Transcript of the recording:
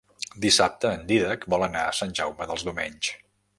Dissabte en Dídac vol anar a Sant Jaume dels Domenys.